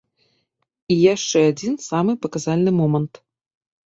І яшчэ адзін, самы паказальны момант.